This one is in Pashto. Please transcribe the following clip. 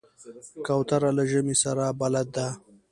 کوتره له ژمي سره بلد ده.